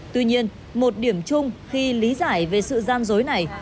tuy nhiên một điểm chung khi lý giải về sự gian dối này